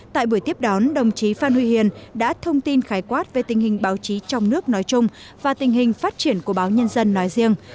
tại buổi tiếp đón đồng chí phan huy hiền đã thông tin khái quát về tình hình báo chí trong nước nói chung và tình hình phát triển của báo nhân dân nói riêng